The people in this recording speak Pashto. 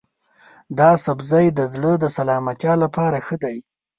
دا سبزی د زړه د سلامتیا لپاره ښه دی.